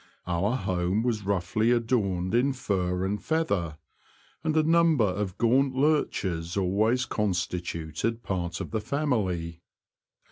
Our home was roughly adorned in fur and feather, and a number of gaunt lurchers always constituted part of the family.